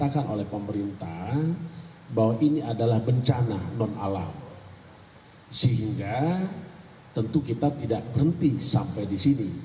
sehingga tentu kita tidak berhenti sampai di sini